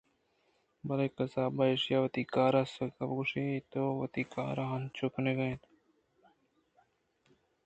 بلے قصاب ایشی ءَ وتی کار ءُ کسِب گوٛش اَنت ءُ وتی کار ءَ انچو کنگ ءَ اَنت